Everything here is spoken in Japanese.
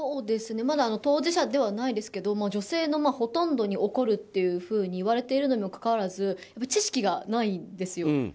まだ当事者ではないですけど女性のほとんどに起こるというふうに言われているにもかかわらず知識がないんですよ。